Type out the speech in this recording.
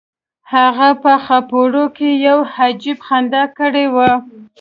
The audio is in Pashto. هغه په خاپوړو کې یو عجیب خندا کړې وه